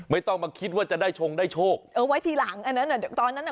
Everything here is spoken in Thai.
ไม่ต้องมาคิดว่าจะได้ชงได้โชคเออไว้ทีหลังอันนั้นอ่ะตอนนั้นอ่ะ